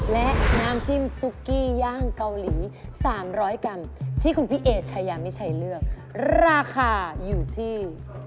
และน้ำจิ้มซุกี้ย่างเกาหลี๓๐๐กรัมที่คุณพี่เอชายามิชัยเลือกราคาอยู่ที่